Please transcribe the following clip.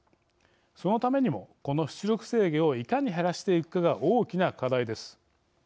そのためにもこの出力制御をいかに減らしていくかが大きな課題です。